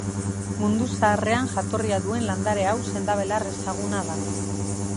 Mundu Zaharrean jatorria duen landare hau sendabelar ezaguna da.